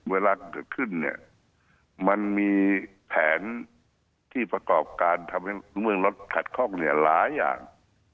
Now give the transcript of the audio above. เวลาเกิดขึ้นเนี่ยมันมีแผนที่ประกอบการทำให้เมืองรถขัดข้องเนี่ยหลายอย่าง